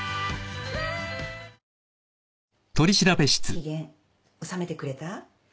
機嫌治めてくれた？